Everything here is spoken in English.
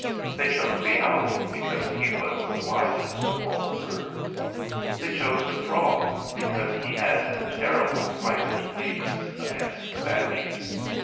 They chose the owl, because he was the wis est of all the birds. They chose the frog, because he had a ter rible private grievance against the badger.